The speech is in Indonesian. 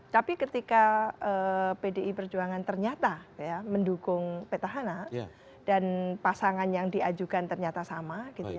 tapi ketika pdi perjuangan ternyata mendukung petahana dan pasangan yang diajukan ternyata sama gitu ya